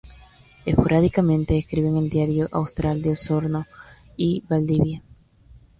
Esporádicamente escribe en el Diario Austral de Osorno y Valdivia.